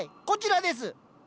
こちらです。